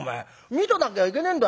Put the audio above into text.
見てなきゃいけねえんだよ」。